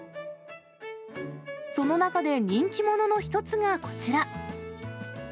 その中で人気者の一つがこちら。